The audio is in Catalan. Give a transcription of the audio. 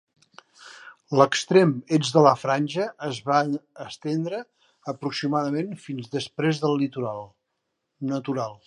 L'extrem est de la franja es va estendre aproximadament fins després del litoral natural.